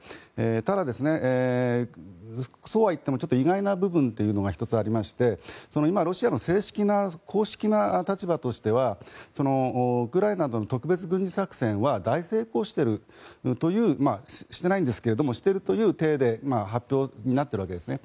ただ、そうはいっても意外な部分というのが１つありまして今、ロシアの正式な、公式な立場としてはウクライナの特別軍事作戦は大成功しているというしてないんですけどもしてるという体で発表になっているわけですね。